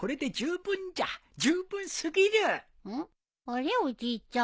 あれおじいちゃん。